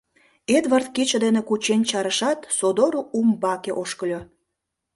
Эдвард кидше дене кучен чарышат, содор умбаке ошкыльо.